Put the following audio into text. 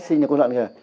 sát sinh là con loạn kìa